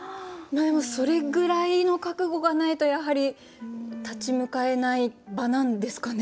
でもそれぐらいの覚悟がないとやはり立ち向かえない場なんですかね。